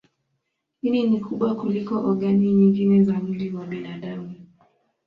Ini ni kubwa kuliko ogani nyingine za mwili wa binadamu.